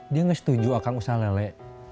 dia ngesetuju akang usah lele